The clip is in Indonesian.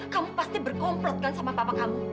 kamu pasti berkomplot kan sama papa kamu